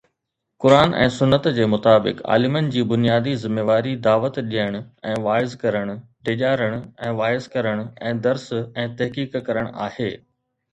قرآن ۽ سنت جي مطابق عالمن جي بنيادي ذميواري دعوت ڏيڻ ۽ وعظ ڪرڻ، ڊيڄارڻ ۽ وعظ ڪرڻ ۽ درس ۽ تحقيق ڪرڻ آهي.